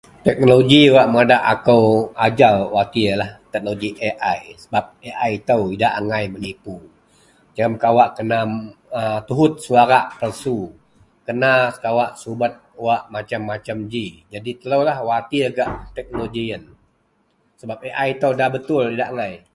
Teknoloji wak madak akou ajau watir lah teknoloji AI sebab AI ito idak angai menipu jegem kawak kena tohout suara palsu kena kawak subet wak masem-masem ji jadi telo watir gak teknoloji sebab AI ito da betul idak angai.